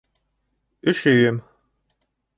Өшөйөм...